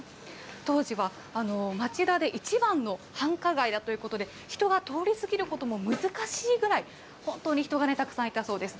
当時は町田で一番の繁華街だということで、人が通り過ぎることも難しいぐらい、本当に人がたくさんいたそうです。